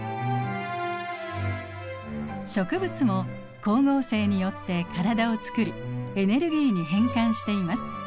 植物も光合成によって体をつくりエネルギーに変換しています。